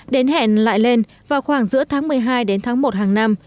đến hẹn lại lên vào khoảng giữa tháng một mươi hai đến tháng một hàng năm